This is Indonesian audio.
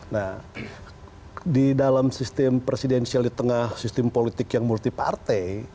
nah di dalam sistem presidensial di tengah sistem politik yang multi partai